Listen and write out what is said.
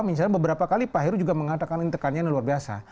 misalnya beberapa kali pak heru juga mengatakan intekannya ini luar biasa